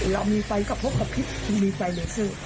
เรามีไฟกระพกกระพริบมีไฟเลเซอร์